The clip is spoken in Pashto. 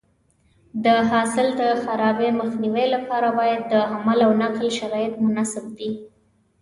د حاصل د خرابي مخنیوي لپاره باید د حمل او نقل شرایط مناسب وي.